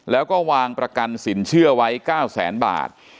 แล้วก็วางประกันสินเชื่อไว้๙แสนบาท